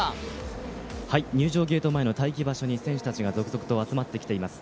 入場ゲート前の待機場所に選手たちが続々と集まってきています